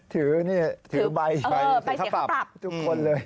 ถือใบเสียงเขาปรับทุกคนเลย